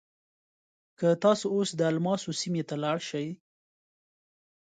که تاسو اوس د الماسو سیمې ته لاړ شئ.